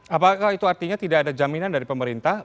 apakah itu artinya tidak ada jaminan dari pemerintah